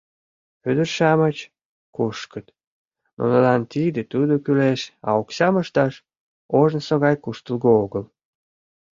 Ӱдыр-шамыч кушкыт, нунылан тиде-тудо кӱлеш, а оксам ышташ ожнысо гай куштылго огыл.